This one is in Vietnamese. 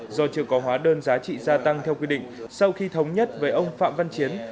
do chưa có hóa đơn giá trị gia tăng theo quy định sau khi thống nhất với ông phạm văn chiến